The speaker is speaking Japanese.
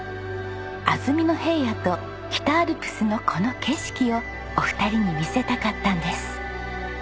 安曇野平野と北アルプスのこの景色をお二人に見せたかったんです。